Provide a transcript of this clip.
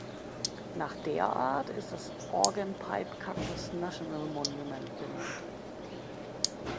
Nach der Art ist das Organ Pipe Cactus National Monument benannt.